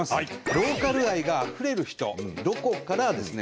ローカル愛があふれる人「ロコ」からですね